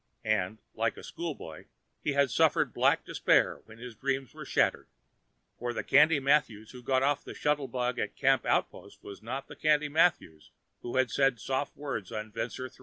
And, like a schoolboy, he had suffered black despair when his dreams were shattered. For the Candy Mathews who got off the shuttlebug at Camp Outpost was not the Candy Mathews who had said soft words on Vensor III.